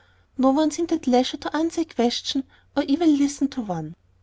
No one seemed at leisure to answer a question or even to listen to one.